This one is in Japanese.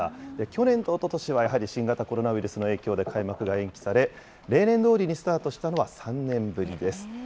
去年とおととしはやはり新型コロナウイルスの影響で開幕が延期され、例年どおりにスタートしたのは３年ぶりです。